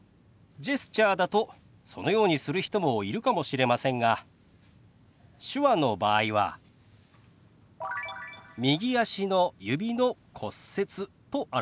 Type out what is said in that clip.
ジェスチャーだとそのようにする人もいるかもしれませんが手話の場合は「右足の指の骨折」と表します。